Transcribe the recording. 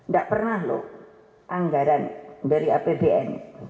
gak pernah loh anggaran dari apbn